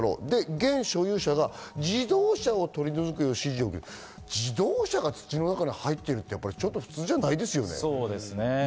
現所有者が自動車を取り除くよう指示を受け、自動車が土の中に入っているというのは普通じゃないですよね。